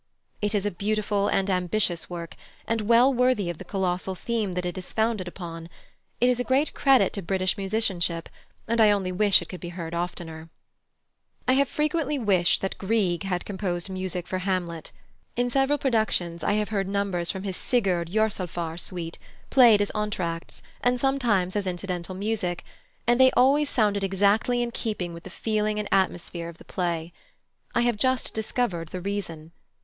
It is a beautiful and ambitious work, and well worthy of the colossal theme that it is founded upon. It is a great credit to British musicianship, and I only wish it could be heard oftener. I have frequently wished that +Grieg+ had composed music for Hamlet. In several productions I have heard numbers from his Sigurd Jörsalfar suite, played as entr'actes, and sometimes as incidental music, and they always sounded exactly in keeping with the feeling and atmosphere of the play. I have just discovered the reason.